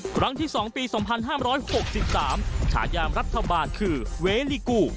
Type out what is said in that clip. ครั้งที่๒ปี๒๕๖๓ฉายามรัฐบาลคือเวลิกู